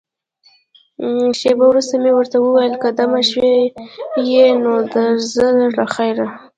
شېبه وروسته مې ورته وویل، که دمه شوې یې، نو درځه له خیره.